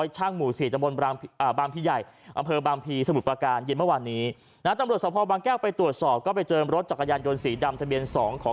ช่างหมู่ศรีจมนต์บางพิไหญ